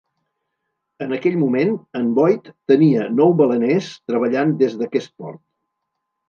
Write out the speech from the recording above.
En aquell moment, en Boyd tenia nou baleners treballant des d'aquest port.